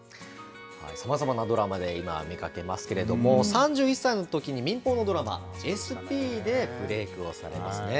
さまざまなドラマで今、見かけますけれども、３１歳のときに民放のドラマ、ＳＰでブレークをされますね。